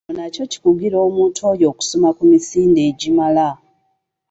Kino nakyo kikugira omuntu oyo okusoma ku misinde egimala.